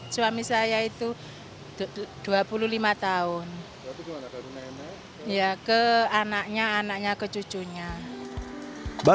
suami saya itu dua puluh lima tahun daya ke anaknya ananya ke cucunya bagi yang masih asing gule kacang hijau